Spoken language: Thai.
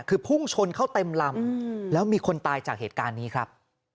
คือพุ่งชนเข้าเต็มลำแล้วมีคนตายจากเหตุการณ์นี้ครับ